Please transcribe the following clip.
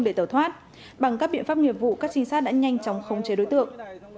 để tẩu thoát bằng các biện pháp nghiệp vụ các trinh sát đã nhanh chóng khống chế đối tượng